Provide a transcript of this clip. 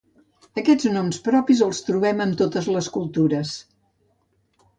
Aquests noms propis els trobem en totes les cultures.